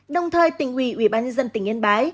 đồng thời tỉnh ủy ủy ban nhân dân tỉnh yên bái